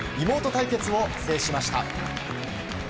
妹対決を制しました。